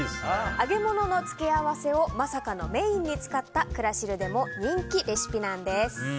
揚げ物の付け合わせをまさかのメインに使ったクラシルでも人気レシピなんです。